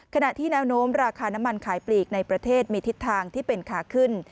ขณะที่แนวโน้มราคาน้ำมันขายปลีกในประเทศมีทิศทางที่เป็นขาขึ้น